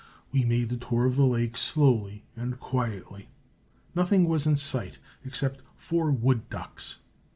We made the tour of the lake slowly and quietly. Nothing was in sight except four wood ducks.